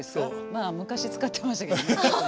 まあ昔使ってましたけどね。